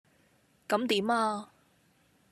咁點呀?